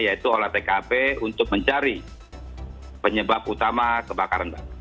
yaitu olah tkp untuk mencari penyebab utama kebakaran